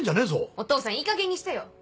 お父さんいいかげんにしてよ。